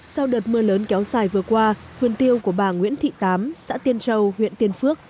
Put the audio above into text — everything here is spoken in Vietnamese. sau đợt mưa lớn kéo dài vừa qua vườn tiêu của bà nguyễn thị tám xã tiên châu huyện tiên phước